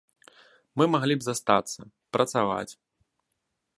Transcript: Мы маглі б застацца, працаваць.